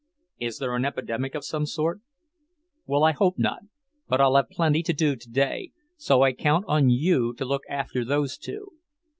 "Is there an epidemic of some sort?" "Well, I hope not. But I'll have plenty to do today, so I count on you to look after those two."